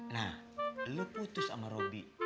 nah lu putus sama robby